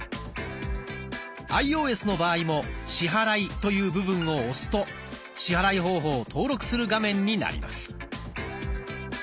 アイオーエスの場合も「支払い」という部分を押すと支払い方法を登録する画面になります。